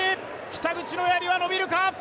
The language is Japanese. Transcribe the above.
北口のやりは伸びるか？